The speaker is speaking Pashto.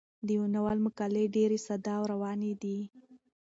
د ناول مکالمې ډېرې ساده او روانې دي.